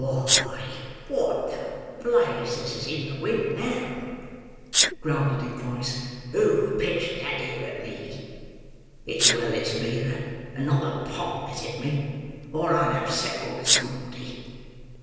"Why, what the blazes is in the wind now!" growled a deep voice. "Who pitched that 'ere at me? It's well it's the beer, and not the pot, as hit me, or I'd have settled somebody.